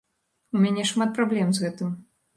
У мяне шмат праблем з гэтым.